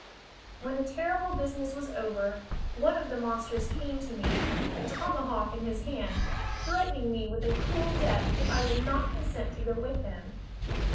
When the terrible business was over, one of the monsters came to me, a tomahawk in his hand, threatening me with a cruel death if I would not consent to go with them.